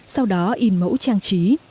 sau đó in mẫu chạy dọc